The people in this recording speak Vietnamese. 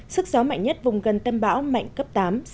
sức gió mạnh nhất vùng gần tâm bão mạnh cấp tám